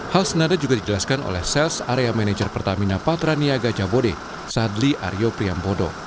hal senada juga dijelaskan oleh sales area manajer pertamina patraniaga jabode sadli aryo priambodo